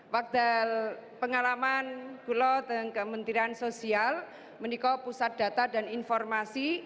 waktu pengalaman bulo dan kementerian sosial meniko pusat data dan informasi